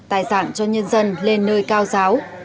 tài sản cho nhân dân lên nơi cao giáo